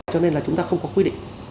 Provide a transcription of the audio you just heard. cho nên là chúng ta không có quy định